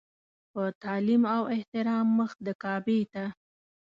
په تعلیم او احترام مخ د کعبې ته.